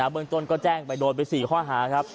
เมืองต้นก็แจ้งไปโดนไป๔ข้อหาครับ